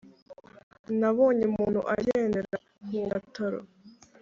nabonye umuntu agendera ku gataro